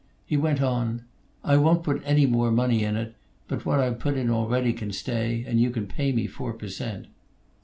He went on: "I won't put any more money in it; but what I've put in a'ready can stay; and you can pay me four per cent."